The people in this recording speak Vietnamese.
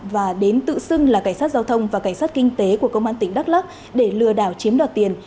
và đến tự xưng là cảnh sát giao thông và cảnh sát kinh tế của công an tỉnh đắk lắc để lừa đảo chiếm đoạt tiền